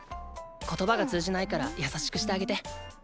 言葉が通じないからやさしくしてあげて。